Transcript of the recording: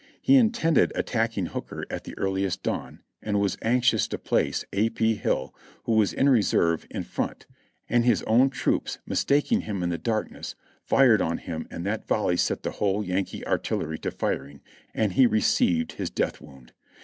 He intended attacking Hooker at the earliest dawn, and was anxious to place A. P. Hill, who was in reserve, in front, and his own troops, mistaking him in the darkness, fired on him and that volley set the whole Yankee artillery to firing ; and he received his death wound.